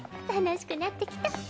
楽しくなってきた！